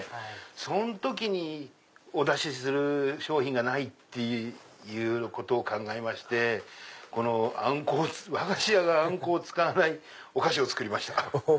その時にお出しする商品がないっていうことを考えまして和菓子屋があんこを使わないお菓子を作りました。